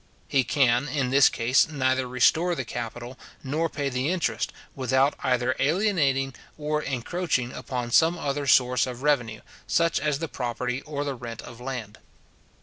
He can, in this case, neither restore the capital nor pay the interest, without either alienating or encroaching upon some other source of revenue, such as the property or the rent of land.